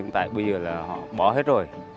tại bây giờ là họ bỏ hết rồi